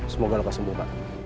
semoga lo sembuh pak